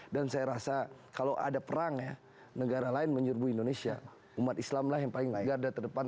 dan saya rasa kalau ada perang ya negara lain menyuruh indonesia umat islam lah yang paling menggarda terdepan